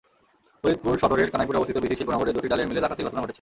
ফরিদপুর সদরের কানাইপুরে অবস্থিত বিসিক শিল্পনগরের দুটি ডালের মিলে ডাকাতির ঘটনা ঘটেছে।